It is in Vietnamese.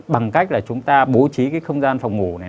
bằng cách là chúng ta bố trí cái không gian phòng ngủ này